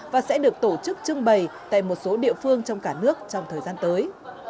và sẽ được tổ chức trưng bày tại một số địa phương trong cả nước trong thời gian tới